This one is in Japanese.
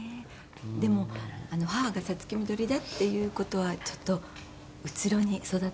でも母が五月みどりだっていう事はちょっとうつろに育った感じで。